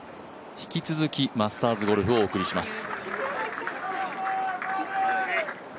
引き続きマスターズゴルフをお送りします。